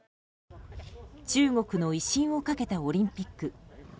中国の威信をかけたオリンピック。